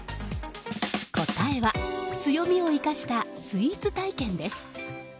答えは、強みを生かしたスイーツ体験です。